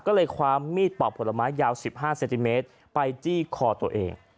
ก็เลยคว้ามีดปอกผลไม้ยาว๑๕เซนติเมตรไปจี้คอตัวเอง